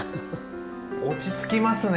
落ち着きますね。